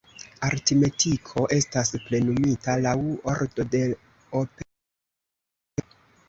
Aritmetiko estas plenumita laŭ ordo de operacioj.